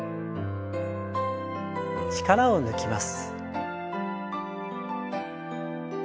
力を抜きます。